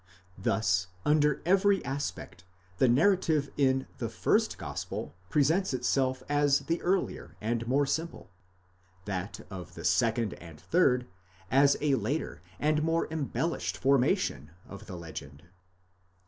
Thus, under every aspect, the narrative in the first gospel presents itself as the earlier and more simple, that of the second and third as a later and more embellished formation of the legend.